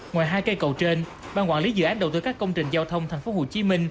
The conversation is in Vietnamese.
ngoài hai cây cầu trên ban quản lý dự án đầu tư các công trình giao thông tp hcm